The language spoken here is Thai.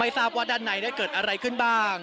ไม่ทราบว่าตอนนี้มีการถูกยิงด้วยหรือเปล่านะครับ